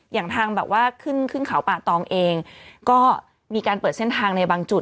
อย่างทางแบบว่าขึ้นขึ้นเขาป่าตองเองก็มีการเปิดเส้นทางในบางจุด